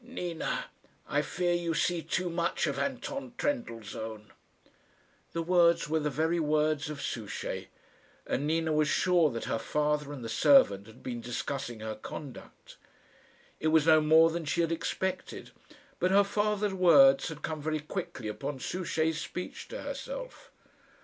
"Nina, I fear you see too much of Anton Trendellsohn." The words were the very words of Souchey; and Nina was sure that her father and the servant had been discussing her conduct. It was no more than she had expected, but her father's words had come very quickly upon Souchey's speech to herself.